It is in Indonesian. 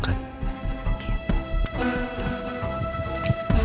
sampai jumpa lagi